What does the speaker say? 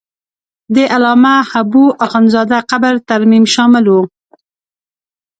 د علامه حبو اخند زاده قبر ترمیم شامل و.